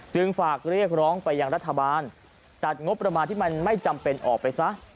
ฝากเรียกร้องไปยังรัฐบาลตัดงบประมาณที่มันไม่จำเป็นออกไปซะ